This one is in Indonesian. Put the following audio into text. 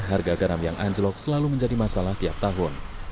harga garam yang anjlok selalu menjadi masalah tiap tahun